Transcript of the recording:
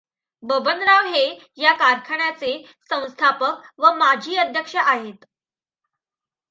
बबनराव हे या कारखान्याचे संस्थापक व माजी अध्यक्ष आहेत.